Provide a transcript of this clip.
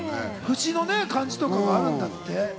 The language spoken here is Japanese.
節の感じとかあるんだって。